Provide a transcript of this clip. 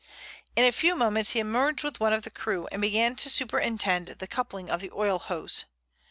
In a few moments he emerged with one of the crew, and began to superintend the coupling of the oil hose.